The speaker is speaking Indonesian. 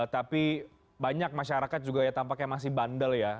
tapi banyak masyarakat juga ya tampaknya masih bandel ya